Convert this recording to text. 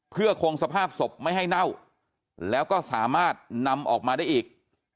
เพื่อคงสภาพศพไม่ให้เน่าแล้วก็สามารถนำออกมาได้อีก